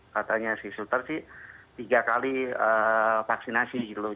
katanya si suter sih tiga kali vaksinasi gitu loh